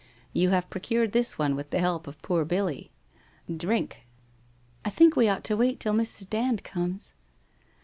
You have procured this one with the help of poor Billy. Drink !'' I think we ought to wait till Mrs. Dand comes.'